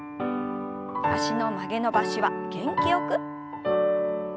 脚の曲げ伸ばしは元気よく。